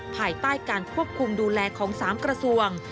ภายใต้การควบคุมดูแลของ๓กระทรวง